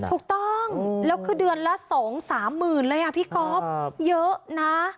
ถูกต้องแล้วคือเดือนละ๒๓หมื่นเลยอ่ะพี่ก๊อฟเยอะนะ